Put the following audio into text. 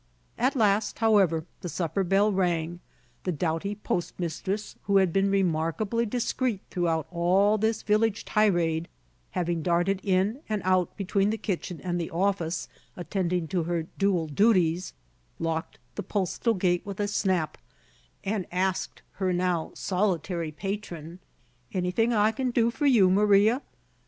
At last, however, the supper bell rang; the doughty postmistress, who had been remarkably discreet throughout all this village tirade, having darted in and out between the kitchen and the office, attending to her dual duties, locked the postal gate with a snap, and asked her now solitary patron, "Anything I can do for you, Maria?"